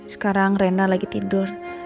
sekarang rena lagi tidur